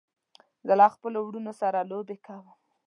زه له خپلو وروڼو سره لوبې کوم.